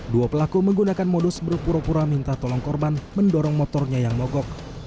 dua pelaku menggunakan modus berpura pura minta tolong korban mendorong motornya yang mogok